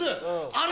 あれ。